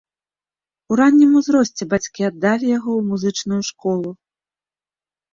У раннім узросце бацькі аддалі яго ў музычную школу.